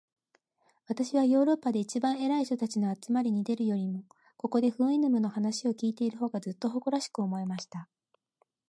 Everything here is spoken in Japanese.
私はヨーロッパで一番偉い人たちの集まりに出るよりも、ここで、フウイヌムの話を開いている方が、ずっと誇らしく思えました。